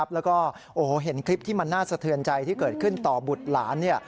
แล้วก็เห็นคลิปที่มันน่าสะเทือนใจที่เกิดขึ้นต่อบุตรหลาน